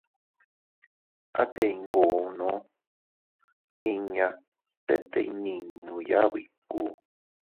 Atee iyngoono inña tete iyninuya biku.